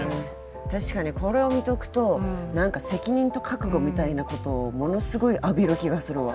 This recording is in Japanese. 確かにこれを見とくと何か責任と覚悟みたいなことをものすごい浴びる気がするわ。